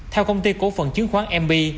theo công ty cổ phần chứng khoán mb